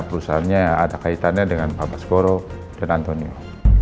perusahaannya ada kaitannya dengan baskoro dan antonia